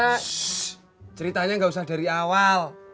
karena ceritanya nggak usah dari awal